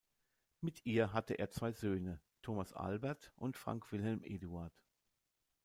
Mit ihr hatte er zwei Söhne, Thomas Albert und Frank Wilhelm Eduard.